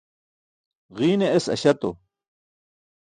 Ġiine es aśatu.